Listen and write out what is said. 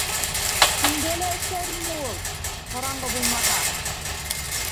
Төндә лә эшләр ине ул, ҡараңғы булмаһа.